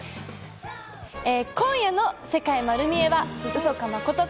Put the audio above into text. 今夜の『世界まる見え！』はウソかマコトか？